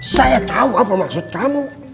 saya tahu apa maksud kamu